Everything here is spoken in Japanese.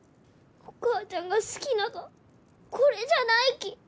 お母ちゃんが好きながはこれじゃないき。